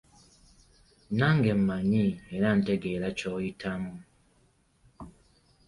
Nange mmanyi era ntegeera ky'oyitamu.